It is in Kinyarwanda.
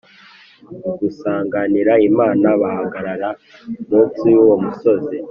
Mu gusanganira Imana bahagarara munsi y’ uwo musozi